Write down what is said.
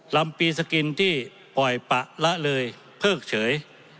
ลำปีสกินที่ปล่อยปะละเลยเพิ่งเฉย